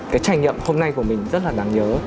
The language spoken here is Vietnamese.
cái trải nghiệm hôm nay của mình rất là đáng nhớ